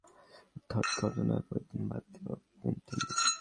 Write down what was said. অর্থাৎ ঘটনার ঐ দিন বাদ দিয়ে পরবর্তী তিনদিন।